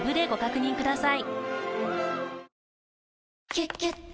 「キュキュット」